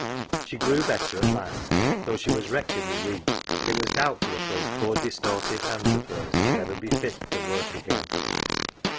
She grew better at last, though she was wretchedly weak, and it was doubtful if those poor distorted hands of hers would ever be fit for work again.